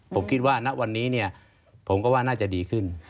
ผมคิดว่าณวันนี้ผมก็ว่าน่าจะดีขึ้น